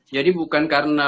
jadi bukan karena